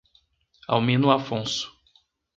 Almino Afonso